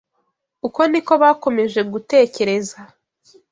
Uko ni ko bakomeje gutekereza